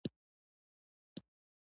داسې یو کُلي درک شته.